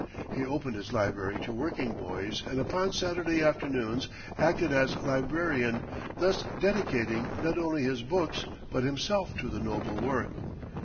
He opened his Library to working boys and upon Saturday afternoons acted as librarian, thus dedicating not only his books but himself to the noble work.